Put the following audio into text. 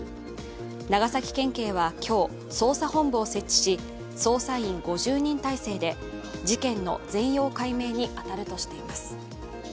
長崎県警は今日、捜査本部を設置し捜査員５０人体制で事件の全容解明に当たるとしています。